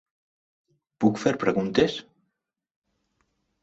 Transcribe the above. Puc fer preguntes?